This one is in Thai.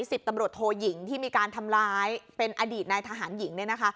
สิทธิ์ตำรวจโทหยิงที่มีการทำร้ายเป็นอดีตนายทหารหญิง